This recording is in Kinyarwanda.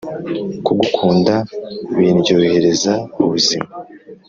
Kugukunda bindyohereza ubuzima